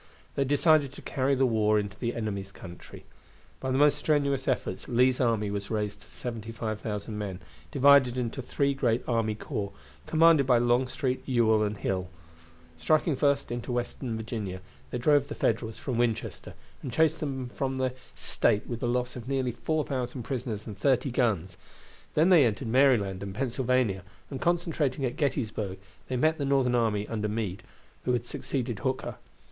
They decided to carry the war into the enemy's country. By the most strenuous efforts Lee's army was raised to 75,000 men, divided into three great army corps, commanded by Longstreet, Ewell, and Hill. Striking first into Western Virginia, they drove the Federals from Winchester, and chased them from the State with the loss of nearly 4,000 prisoners and 30 guns. Then they entered Maryland and Pennsylvania, and concentrating at Gettysburg they met the Northern army under Meade, who had succeeded Hooker.